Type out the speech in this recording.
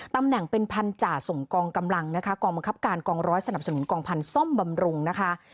ตำแหน่งเป็นพันธาส่งกองกำลังนะคะกองบังคับการกองร้อยสนับสนุนกองพันธ์ซ่อมบำรุงนะคะ